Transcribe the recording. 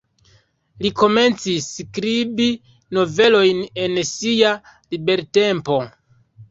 Li komencis skribi novelojn en sia libertempo.